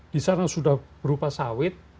di sana sudah berupa sawit